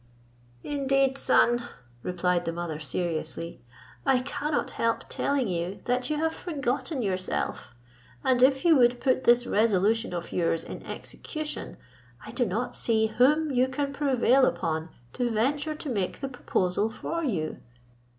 "Indeed, son," replied the mother seriously, "I cannot help telling you that you have forgotten yourself; and if you would put this resolution of yours in execution, I do not see whom you can prevail upon to venture to make the proposal for you."